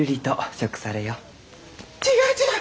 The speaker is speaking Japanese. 違う違う！